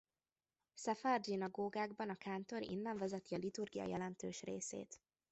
Szefárd zsinagógákban a kántor innen vezeti a liturgia jelentős részét.